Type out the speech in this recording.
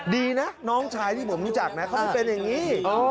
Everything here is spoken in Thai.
ดีนะน้องชายที่ผมรู้จักนะเขาไม่เป็นอย่างนี้